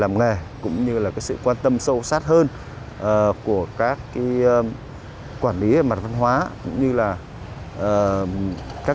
làm nghề cũng như là cái sự quan tâm sâu sát hơn của các cái quản lý mặt văn hóa cũng như là các